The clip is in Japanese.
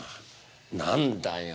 何だよ